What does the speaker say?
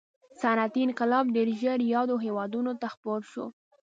صنعتي انقلاب ډېر ژر یادو هېوادونو ته خپور شو.